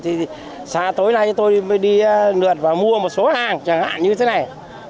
thì xa tối nay tôi mới đi lượt và mua một số hàng chẳng hạn như thế này